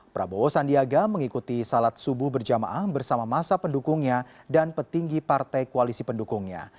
prabowo sandiaga mengikuti salat subuh berjamaah bersama masa pendukungnya dan petinggi partai koalisi pendukungnya